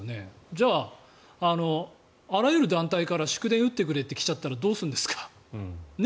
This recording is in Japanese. じゃあ、あらゆる団体から祝電打ってくれって来ちゃったらどうするんですか。